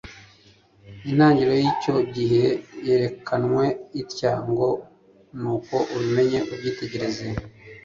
Intangiriro y'icyo gihe yerekanywe itya ngo: "Nuko ubimenye ubyitegereze